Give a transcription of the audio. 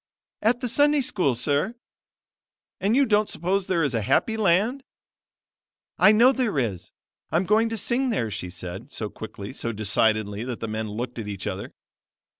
"At the Sunday School, Sir." "And you don't suppose there is a happy land?" "I know there is; I'm going to sing there," she said, so quickly, so decidedly that the men looked at each other.